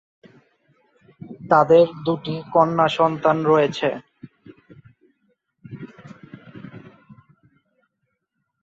তাদের দুটি কন্যা সন্তান রয়েছে।